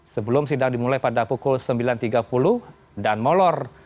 sebelum sidang dimulai pada pukul sembilan tiga puluh dan molor